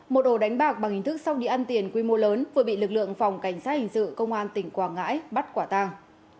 một ổ đánh bạc bằng hình thức sóc đi ăn tiền quy mô lớn vừa bị lực lượng phòng cảnh sát hình sự công an tỉnh quảng ngãi bắt quả tàng